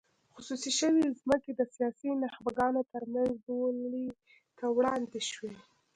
خصوصي شوې ځمکې د سیاسي نخبګانو ترمنځ بولۍ ته وړاندې شوې.